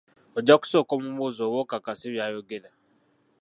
Ojja kusooka omubuuze oba akakasa by’ayogera.